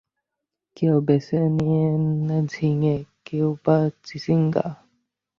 কেউ বেছে নেন ঝিঙে, কেউবা চিচিঙ্গা।